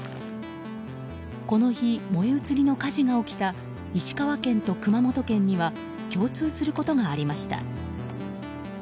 この日、燃え移りの火事が起きた石川県と熊本県には共通することがありました。